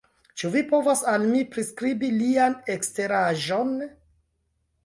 Ĉu vi povas al mi priskribi lian eksteraĵon?